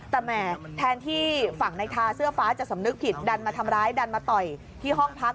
แต่แหมแทนที่ฝั่งในทาเสื้อฟ้าจะสำนึกผิดดันมาทำร้ายดันมาต่อยที่ห้องพัก